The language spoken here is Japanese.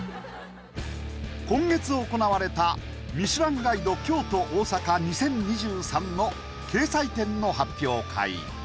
今月行われたミシュランガイド京都・大阪２０２３の掲載店の発表会